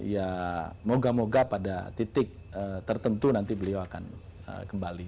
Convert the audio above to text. yaa mogamoga pada titik tertentu nanti beliau akan kembali